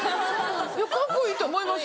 カッコいいと思います